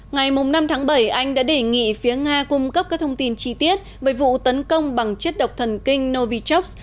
ngày năm tháng bảy anh đã đề nghị phía nga cung cấp các thông tin chi tiết về vụ tấn công bằng chất độc thần kinh novichoks